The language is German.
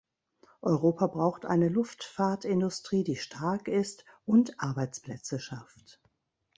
Europa braucht eine Luftfahrtindustrie, die stark ist und Arbeitsplätze schafft.